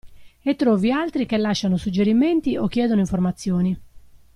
E trovi altri che lasciano suggerimenti o chiedono informazioni.